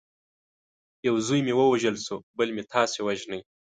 یو زوی مې ووژل شو بل مې تاسي وژنئ.